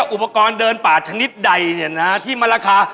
อุปกรณ์เดินป่าชนิดใดนั้นที่มารการ